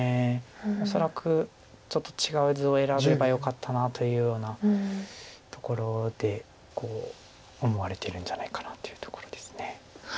恐らくちょっと違う図を選べばよかったなというようなところでこう思われてるんじゃないかなというところです。